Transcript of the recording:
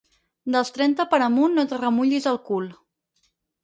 Dels trenta per amunt no et remullis el cul.